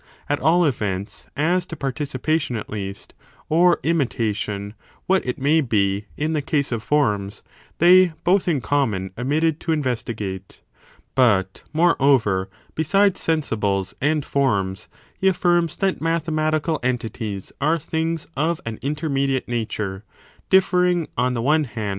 At all events, as to participation at least, or imitation, what it may be, in the case of forms, they both in common omitted to investigate. . 2. Platonic ^^^j moreover, besides sensibles and forms, he opinion con affirms that mathematical entities are things of maScS sub ^ an intermediate nature ; differing, on the one hand, ataaces.